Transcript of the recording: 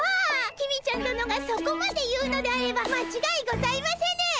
公ちゃん殿がそこまで言うのであればまちがいございませぬ！